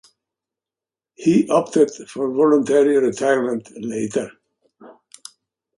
He opted for voluntary retirement later.